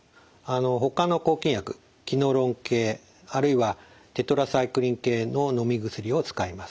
ほかの抗菌薬キノロン系あるいはテトラサイクリン系ののみ薬を使います。